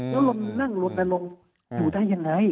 แล้วนั่งลนลงอยู่ได้ยังไง